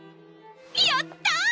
やった！